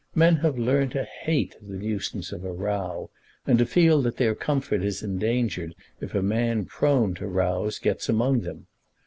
Men have learned to hate the nuisance of a row, and to feel that their comfort is endangered if a man prone to rows gets among them.